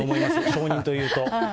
証人というと。